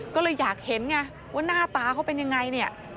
ก็เลยอยากเห็นว่าหน้าตาเขาเป็นอย่างไร